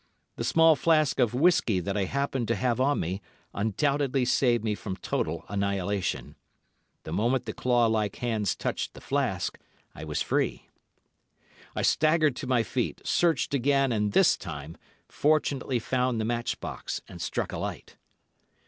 The small flask of whiskey that I happened to have on me undoubtedly saved me from total annihilation. The moment the claw like hands touched the flask, I was free. I staggered to my feet, searched again, and, this time, fortunately found the match box and struck a light.